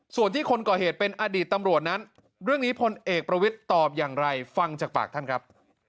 ส่วนที่คนก่อเหตุเป็นอดีตตำรวจนั้นเรื่องนี้พลเอกประวิทย์ตอบอย่างไรฟังจากปากท่านครับ